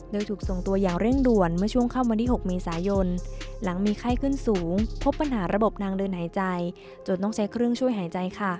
โดยถูกส่งตัวอย่างเร่งด่วนเมื่อช่วงค่ำวันที่๖เมษายนหลังมีไข้ขึ้นสูงพบปัญหาระบบทางเดินหายใจจนต้องใช้เครื่องช่วยหายใจค่ะ